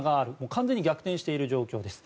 完全に逆転している状況です。